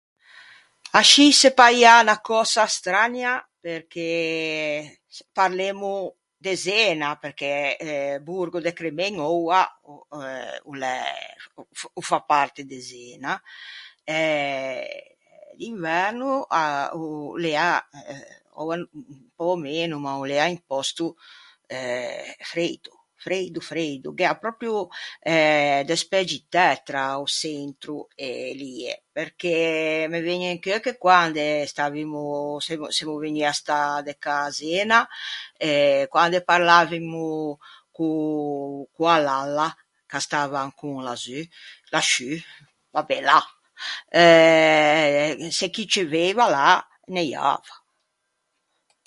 Ascì se paià unna cösa strania, perché parlemmo de Zena, perché eh Borgo de Cremen oua eh o l'é... o fa parte de Zena... eh... d'inverno a o l'ea eh oua un pö meno, ma o l'ea un pòsto eh freido, freido freido. Gh'ea pròpio eh despægitæ tra o çentro e lie, perché me vëgne in cheu che quande stavimo, semmo semmo vegnui à stâ de cà à Zena, e quande parlavimo co- co-a lalla, ch'a stava ancon lazù, lasciù, va be, là, eh... se chì ciuveiva là neiava.